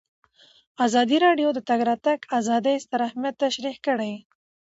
ازادي راډیو د د تګ راتګ ازادي ستر اهميت تشریح کړی.